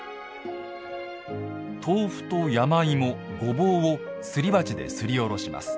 豆腐と山芋、ごぼうをすり鉢ですりおろします。